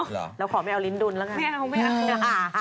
เราขอไม่เอาลิ้นดุลเลยไงไม่เอา